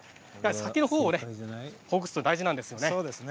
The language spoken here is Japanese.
先のほうをほぐすのが大事なんですよね。